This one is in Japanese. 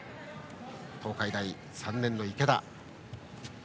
東海大３年の池田。